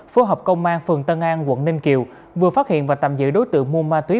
phối hợp công an phường tân an quận ninh kiều vừa phát hiện và tạm giữ đối tượng mua ma túy